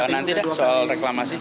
nanti dah soal reklamasi